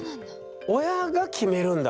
親が決めるんだ。